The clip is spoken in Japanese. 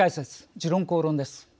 「時論公論」です。